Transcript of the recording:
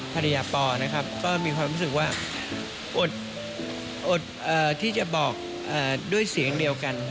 ภรรยาปอนะครับก็มีความรู้สึกว่าอดที่จะบอกด้วยเสียงเดียวกัน